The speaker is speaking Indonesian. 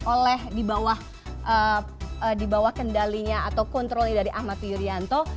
oleh di bawah kendalinya atau kontrolnya dari ahmad yuryanto